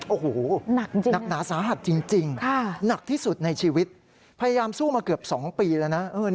โอ้โหหนักหนาสาหัสจริงหนักที่สุดในชีวิตพยายามสู้มาเกือบ๒ปีแล้วนะ